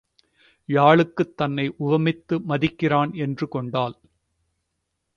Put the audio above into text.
யாழுக்குத் தன்னை உவமித்து மதிக்கிறான் என்று கொண்டாள்.